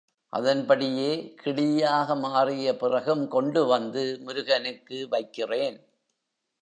அதன்படியே கிளியாக மாறிய பிறகும் கொண்டு வந்து முருகனுக்கு வைக்கிறேன்.